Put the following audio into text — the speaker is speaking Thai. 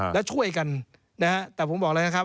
แล้วช่วยกันนะฮะแต่ผมบอกเลยนะครับ